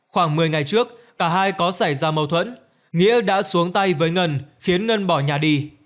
khoảng một mươi ngày trước cả hai có xảy ra mâu thuẫn nghĩa đã xuống tay với ngân khiến ngân bỏ nhà đi